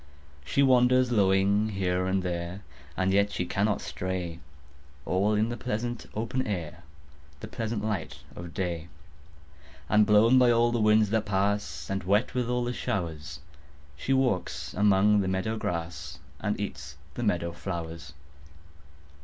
She wanders lowing here and there, And yet she cannot stray, All in the pleasant open air, The pleasant light of day; And blown by all the winds that pass And wet with all the showers, She walks among the meadow grass And eats the meadow flowers.